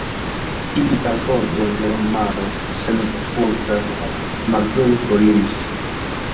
Ili al bordo de l' maro senfrukta malĝoje foriris.